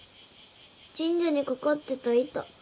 神社に掛かってた板。